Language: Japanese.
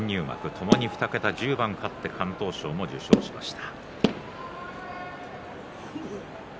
ともに２桁１０番勝って敢闘賞も受賞しました。